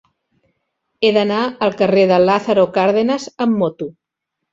He d'anar al carrer de Lázaro Cárdenas amb moto.